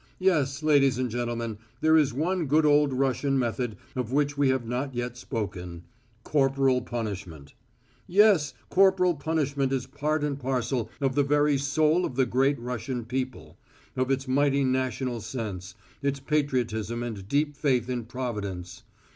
Yes, ladies and gentlemen, there is one good old Russian method of which we have not yet spoken corporal punishment. Yes, corporal punishment is part and parcel of the very soul of the great Russian people, of its mighty national sense, its patriotism and deep faith in Providence.